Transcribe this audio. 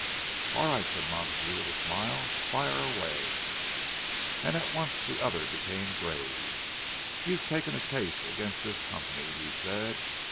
"All right," said Montague, with a smile. "Fire away." And at once the other became grave. "You've taken a case against this company," he said.